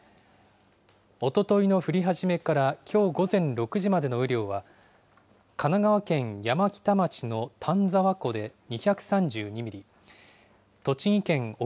おとといの降り始めからきょう午前６時までの雨量は、神奈川県山北町の丹沢湖で２３２ミリ、栃木県奥